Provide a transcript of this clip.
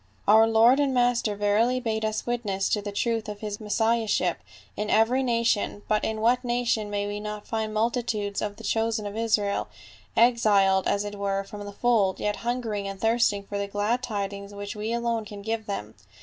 Our Lord and Master verily bade us wit ness to the truth of his Messiahship in every nation, but in what nation may we not find multitudes of the chosen of Israel, exiled as it were from the fold, yet hungering and thirsting for the glad tidings which we alone can give them.